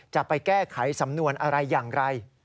จะไปแก้ไขสำนวนอะไรอย่างไร